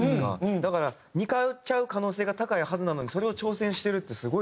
だから似通っちゃう可能性が高いはずなのにそれを挑戦してるってすごい。